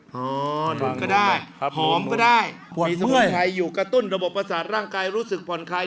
หนุ่มก็ได้หอมก็ได้มีสมุนไพรอยู่กระตุ้นระบบประสาทร่างกายรู้สึกผ่อนคลาย